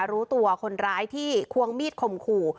รู้ตัวคนร้ายที่ควงมีดข่มขู่